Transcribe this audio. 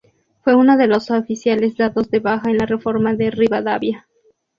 Fue uno de los oficiales dados de baja en la reforma de Rivadavia.